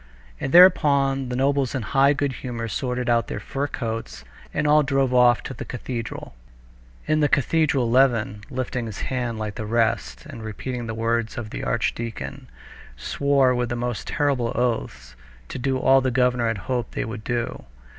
And thereupon the nobles in high good humor sorted out their fur coats and all drove off to the cathedral. In the cathedral Levin, lifting his hand like the rest and repeating the words of the archdeacon, swore with most terrible oaths to do all the governor had hoped they would do.